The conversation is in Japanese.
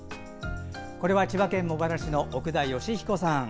これは千葉県茂原市の奥田義彦さん。